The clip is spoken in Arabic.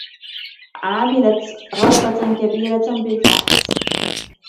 عملت غلطة كبيرة بالفحص